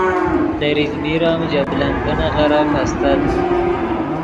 تریچمیر ام ژے بلند ڤینغیرف استت